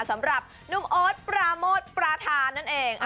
สำหรับนุ่มโอ๊ตปราโมทประธานนั่นเอง